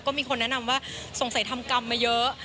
ก็มีคนแนะนำว่าสงสัยทำกรรมมาเยอะ